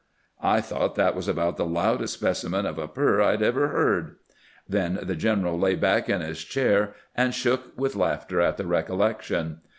I thought that was about the loudest specimen of a purr I had ever heard." Then the general lay back in his chair and shook with laughter at the recollection.